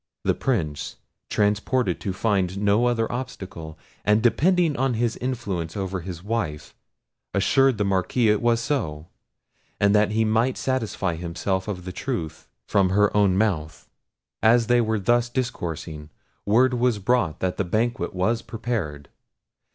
The Prince, transported to find no other obstacle, and depending on his influence over his wife, assured the Marquis it was so, and that he might satisfy himself of the truth from her own mouth. As they were thus discoursing, word was brought that the banquet was prepared.